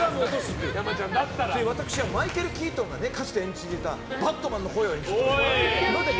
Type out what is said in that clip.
私はマイケル・キートンがかつて演じていたバットマンの声を演じてます。